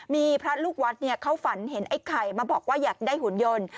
มีพระลูกวัดเขาฝันเห็นไอ้ไข่มาบอกว่าอยากได้หุ่นยนต์